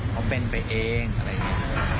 เขาเป็นไปเองอะไรเงี้ย